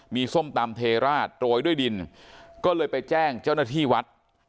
มีส้มตำเทราชโรยด้วยดินก็เลยไปแจ้งเจ้าหน้าที่วัด